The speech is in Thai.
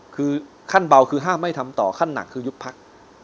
คือขั้นเบาคือห้ามไม่ทำต่อขั้นหนักคือยุบพัก